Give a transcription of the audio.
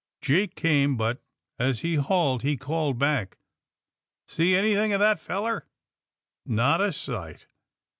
Jake came, but as he hauled he called back: *^See anything of that feller!" Not a sight."